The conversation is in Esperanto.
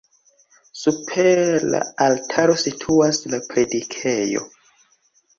Super la altaro situas la predikejo.